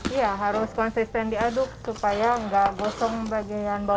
iya harus konsisten diaduk supaya nggak bosong bagian bawahnya kan kena api